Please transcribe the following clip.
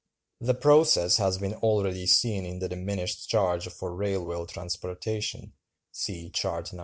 The process has been already seen in the diminished charge for railway transportation (see Chart No.